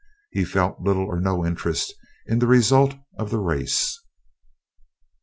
He felt little or no interest in the result of the race.